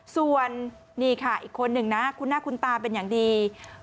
ส่วนนี่ค่ะอีกคนหนึ่งนะคุณหน้าคุณตาเป็นอย่างดี